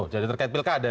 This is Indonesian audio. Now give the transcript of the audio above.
jadi terkait pilkada